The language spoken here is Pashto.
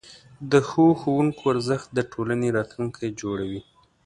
د ښو ښوونکو ارزښت د ټولنې راتلونکی جوړوي.